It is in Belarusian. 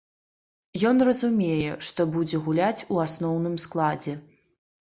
Ён разумее, што будзе гуляць у асноўным складзе.